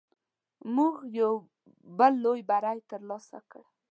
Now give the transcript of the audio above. موږ یو بل لوی بری تر لاسه کړ.